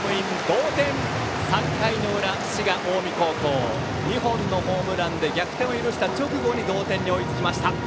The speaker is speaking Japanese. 同点、３回の裏、滋賀・近江高校２本のホームランで逆転を許した直後に同点に追いつきました。